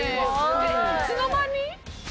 いつの間に？